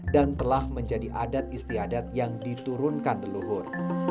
dan telah menjadi adat istiadat yang diturunkan leluhur